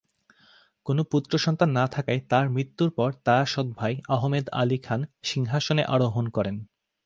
কোন পুত্রসন্তান না থাকায় তার মৃত্যুর পর তার সৎ-ভাই আহমেদ আলী খান সিংহাসনে আরোহণ করেন।